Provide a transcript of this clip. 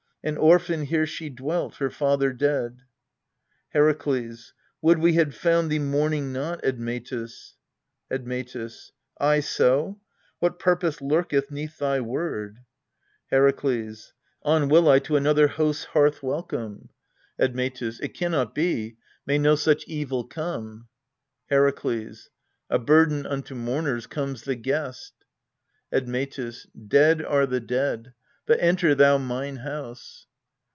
An orphan here she dwelt, her father dead. Herakles. Would we had found thee mourning not, Admetus ! Admetus. Ay so ? what purpose lurketh 'neath thy word ? Heraklcs. On will I to another host's hearth welcome. ALCESTIS 217 Admetus. It can not be : may no such evil come ! Hcraklcs. A burden unto mourners comes the guest. Admetus.. Dead are the dead but enter thou mine house.